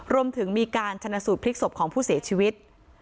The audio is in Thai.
รวมถึงมีการชนะสูตรพลิกศพของผู้เสียชีวิต